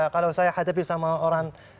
kalau saya hadapi sama orang